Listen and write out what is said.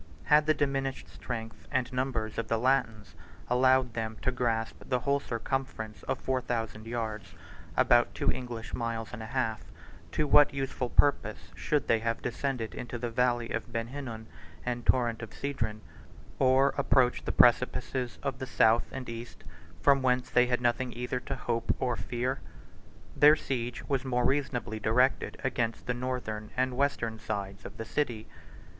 106 Had the diminished strength and numbers of the Latins allowed them to grasp the whole circumference of four thousand yards, (about two English miles and a half, 107 to what useful purpose should they have descended into the valley of Ben Hinnom and torrent of Cedron, 108 or approach the precipices of the south and east, from whence they had nothing either to hope or fear? Their siege was more reasonably directed against the northern and western sides of the city.